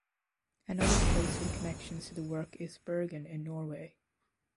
Another place with connections to the work is Bergen in Norway.